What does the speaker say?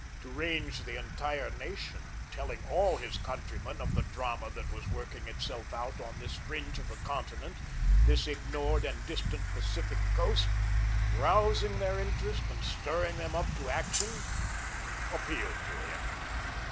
To range the entire nation, telling all his countrymen of the drama that was working itself out on this fringe of the continent, this ignored and distant Pacific Coast, rousing their interest and stirring them up to action appealed to him.